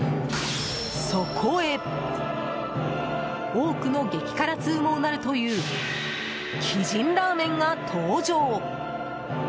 そこへ、多くの激辛通もうなるという鬼神らーめんが登場。